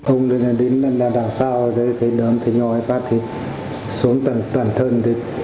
ông đến đằng sau thấy đứa ngồi phát xuống tầng thân